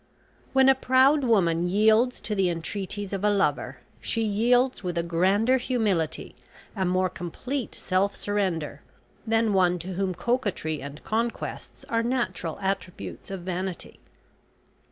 When a proud woman yields to the entreaties of a lover, she yields with a grander humility, a more complete self surrender, than one to whom coquetry and conquests are natural attributes of vanity.